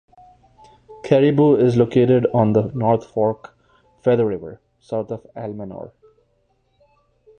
Caribou is located on the North Fork Feather River, south of Almanor.